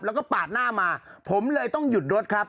แล้วก็ปาดหน้ามาผมเลยต้องหยุดรถครับ